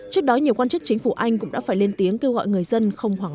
trước đó nhiều quan chức chính phủ anh cũng đã phải lên tiếng kêu gọi người dân không hoảng